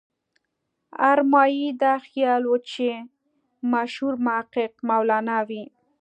ارمایي دا خیال و چې مشهور محقق مولانا وي.